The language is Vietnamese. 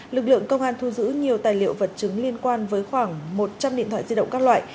lực lượng công an thu giữ nhiều tài liệu vật chứng liên quan với khoảng một trăm linh điện thoại di động các loại